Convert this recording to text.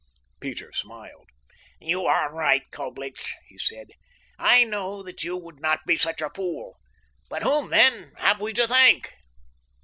Peter smiled. "You are right, Coblich," he said. "I know that you would not be such a fool; but whom, then, have we to thank?"